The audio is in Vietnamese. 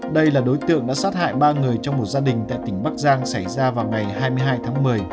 đây là đối tượng đã sát hại ba người trong một gia đình tại tỉnh bắc giang xảy ra vào ngày hai mươi hai tháng một mươi